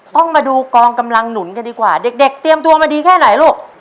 ต้องมาดูกองกำลังหนุนกันดีกว่าเด็กเตรียมตัวมาดีแค่ไหนลูก